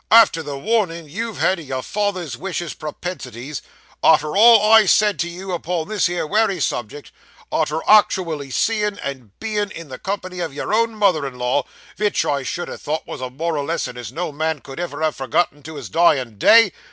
Arter the warnin' you've had o' your father's wicious propensities; arter all I've said to you upon this here wery subject; arter actiwally seein' and bein' in the company o' your own mother in law, vich I should ha' thought wos a moral lesson as no man could never ha' forgotten to his dyin' day!